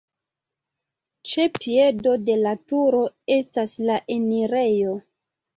Ĉe piedo de la turo estas la enirejo.